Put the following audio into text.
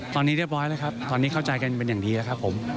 ตอนนี้เรียบร้อยแล้วครับตอนนี้เข้าใจกันเป็นอย่างดีแล้วครับผม